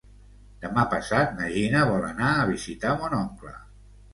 Demà passat na Gina vol anar a visitar mon oncle.